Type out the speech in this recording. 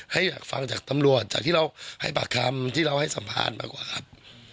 อยากฟังจากตำรวจจากที่เราให้ปากคำที่เราให้สัมภาษณ์มากกว่าครับ